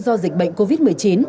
do dịch bệnh covid một mươi chín